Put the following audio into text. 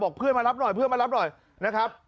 เพื่อนมารับหน่อยเพื่อนมารับหน่อยนะครับ